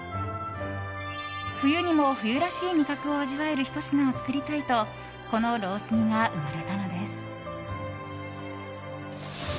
冬にも冬らしい味覚を味わえるひと品を作りたいとこのロース煮が生まれたのです。